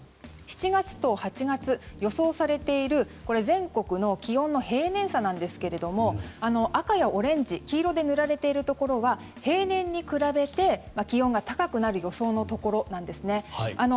７月と８月、予想されている全国の気温の平年差なんですが赤やオレンジ黄色で塗られているところは平年に比べて気温が高くなる予想のところなんです。